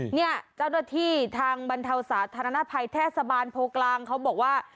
เนี่ยเจ้าหน้าที่ทางบรรเทาสาธารณภัยเทศบาลโพกลางเขาบอกว่า